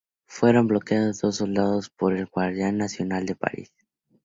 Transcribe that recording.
Fueron bloqueados por soldados de la Guardia Nacional de París.